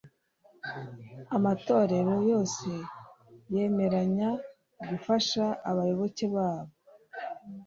Amatorero yose yemeranya gufasha abayoboke babo